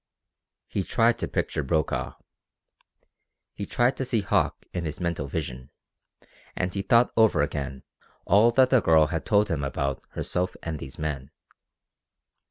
He tried to picture Brokaw. He tried to see Hauck in his mental vision, and he thought over again all that the girl had told him about herself and these men.